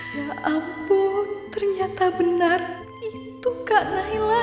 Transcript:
ya ampun ternyata benar itu kak naila